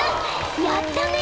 やったね！］